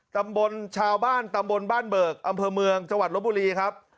ชาวบ้านตำบลบ้านเบิกอำเภอเมืองจังหวัดลบบุรีครับ